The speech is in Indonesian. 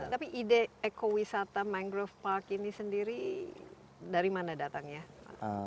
tapi ide ekowisata mangrove park ini sendiri dari mana datangnya